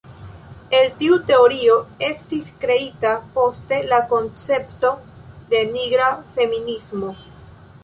El tiu teorio estis kreita poste la koncepto de Nigra feminismo.